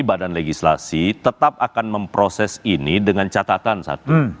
badan legislasi tetap akan memproses ini dengan catatan satu